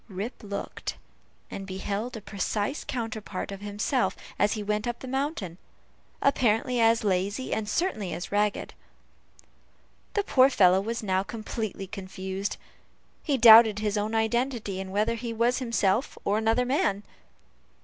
Rip looked, and beheld a precise counterpart of himself as he went up the mountain; apparently as lazy, and certainly as ragged. The poor fellow was now completely confounded. He doubted his own identity, and whether he was himself or another man.